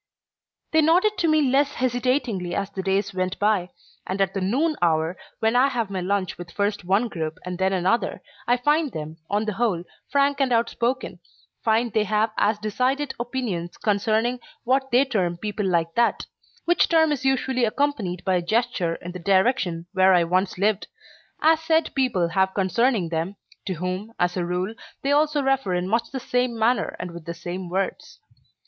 They nodded to me less hesitatingly as the days went by, and at the noon hour, when I have my lunch with first one group and then another, I find them, on the whole, frank and outspoken, find they have as decided opinions concerning what they term people like that which term is usually accompanied by a gesture in the direction where I once lived as said people have concerning them, to whom, as a rule, they also refer in much the same manner and with the same words.